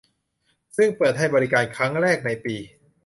ซึ่งเปิดให้บริการครั้งแรกในปี